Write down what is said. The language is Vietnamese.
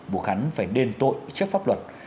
buộc hắn phải đền tội chấp pháp luật